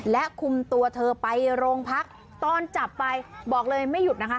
และคุมตัวเธอไปโรงพักตอนจับไปบอกเลยไม่หยุดนะคะ